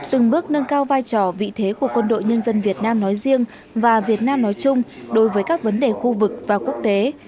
từng bước nâng cao vai trò vị thế của quân đội nhân dân việt nam nói riêng và việt nam nói chung đối với các vấn đề khu vực và quốc tế